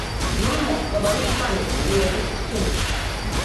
Но, но, гавары і памятай, бо язык ушчэміш.